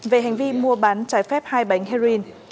về hành vi mua bán trái phép hai bánh heroin